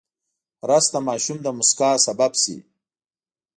رس د ماشوم د موسکا سبب شي